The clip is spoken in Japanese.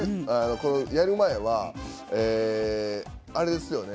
これやる前はあれですよね